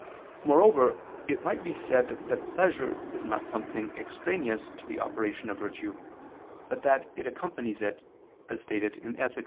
Moreover it might be said that pleasure is not something extraneous to the operation of virtue, but that it accompanies it, as stated in _Ethic.